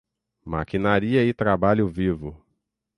Maquinaria e Trabalho Vivo